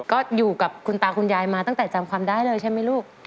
ก็อยู่กับคุณตาคุณยายมาตั้งแต่จำความได้เลยใช่ไหมลูก